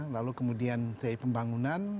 lalu kemudian dari pembangunan